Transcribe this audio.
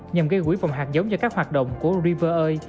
nhằm gây quỹ phòng hạt giống cho các hoạt động của river oil